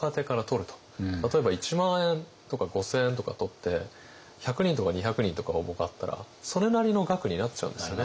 例えば１万円とか５，０００円とか取って１００人とか２００人とか応募があったらそれなりの額になっちゃうんですよね。